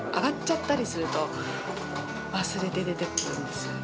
雨が上がっちゃったりすると、忘れて出てくるんですよね。